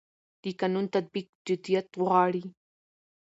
د قانون تطبیق جديت غواړي